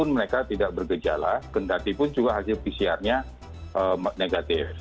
mereka tidak bergejala kendati pun juga hasil pcr nya negatif